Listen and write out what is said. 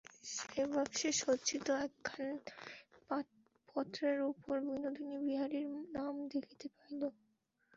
সেই বাক্সে সজ্জিত একখানি পত্রের উপরে বিনোদিনী বিহারীর নাম দেখিতে পাইল।